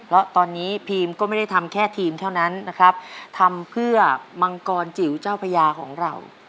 แล้วตอนนี้พีมก็ไม่ได้ทำแค่ทีมเท่านั้นนะครับทำเพื่อมังกรจิ๋วเจ้าพญาของเรา